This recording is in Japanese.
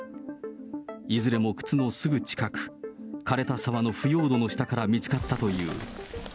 いずれも靴のすぐ近く、かれた沢の腐葉土の下から見つかったという。